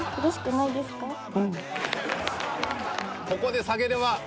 ここで下げれば。